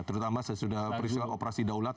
terutama sesudah peristiwa operasi daulat